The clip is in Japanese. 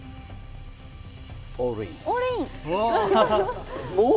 オールイン。